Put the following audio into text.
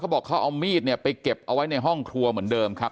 บอกเขาเอามีดเนี่ยไปเก็บเอาไว้ในห้องครัวเหมือนเดิมครับ